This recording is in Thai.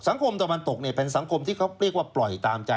ตะคมตะวันตกเนี่ยเป็นสังคมที่เขาเรียกว่าปล่อยตามใจ